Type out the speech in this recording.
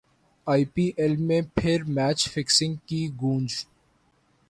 ائی P L میں پھر match fixing کی گونج